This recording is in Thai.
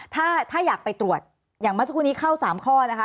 ถ้าอยากไปตรวจอย่างเมื่อสักครู่นี้เข้า๓ข้อนะคะ